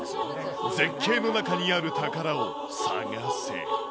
絶景の中にある宝を探せ。